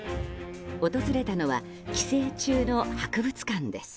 訪れたのは寄生虫の博物館です。